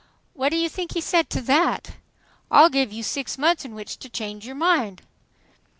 What do you think he said to that?—'I'll give you six months in which to change your mind!